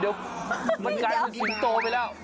เดี๋ยวมันกลายไปศิลป์โตไปแล้ว